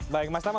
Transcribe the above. baik mas tam